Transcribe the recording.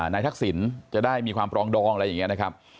นายทักศิลป์จะได้มีความปลองดองอะไรอย่างเงี้ยนะครับ